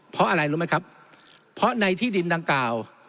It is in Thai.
เพราะอะไรรู้ไหมครับเพราะในที่ดินดังกล่าว